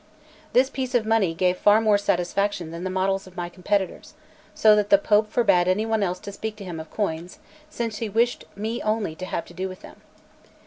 This piece of money gave far more satisfaction than the models of my competitors; so that the Pope forbade any one else to speak to him of coins, since he wished me only to have to do with them.